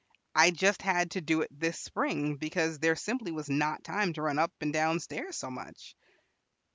I just had to do it this spring, because there simply was not time to run up and down stairs so much."